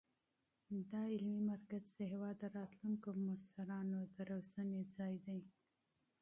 دا علمي مرکز د هېواد د راتلونکو مشرانو د روزنې ځای دی.